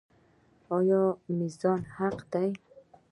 آیا میزان حق دی؟